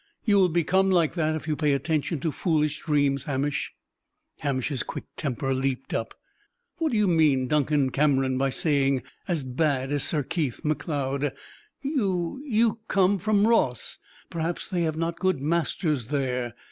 You will become like that if you pay attention to foolish dreams, Hamish." Hamish's quick temper leaped up. "What do you mean, Duncan Cameron, by saying 'as bad as Sir Keith Macleod'? You you come from Ross: perhaps they have not good masters there.